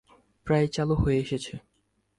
প্রায় চালু হয়ে এসেছে।